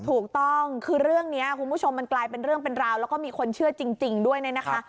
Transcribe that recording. ถูกต้องคือเรื่องนี้คุณผู้ชมมันกลายเป็นเรื่องเป็นราวแล้วก็มีคนเชื่อจริงด้วยเนี่ยนะคะ